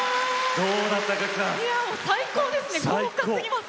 最高ですね、豪華すぎます。